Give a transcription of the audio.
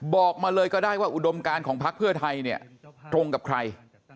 บอกมาเลยก็ได้ว่าอุดมการของพักเพื่อไทยเนี่ยตรงกับใคร